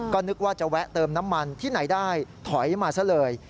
ก็นึกว่าจะแวะเติมน้ำมันที่ไหนได้ถอยมาซะเลย